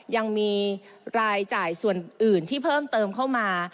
ยังมีรายจ่ายส่วนอื่นที่เพิ่มเติมเข้ามา